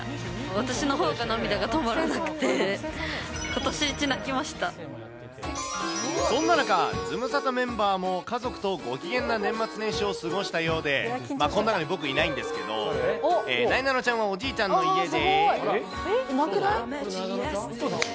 私のほうが涙が止まらなくて、そんな中、ズムサタメンバーも家族とご機嫌な年末年始を過ごしたようで、この中に僕いないんですけど、なえなのちゃんは、おじいちゃんの家で。